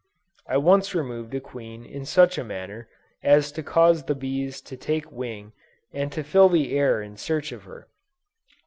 I once removed a queen in such a manner as to cause the bees to take wing and fill the air in search of her.